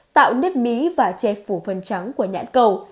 tạo nếp mí và chẹp phủ phần trắng của nhãn cầu